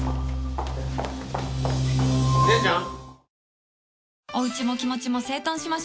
姉ちゃん？